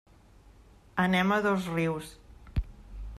Anem a Dosrius.